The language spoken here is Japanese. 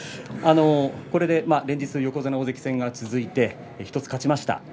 連日横綱大関戦が続いて１つ勝ちました。